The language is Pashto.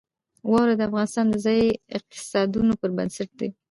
واوره د افغانستان د ځایي اقتصادونو یو بنسټ دی.